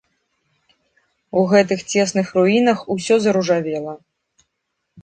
У гэтых цесных руінах усё заружавела.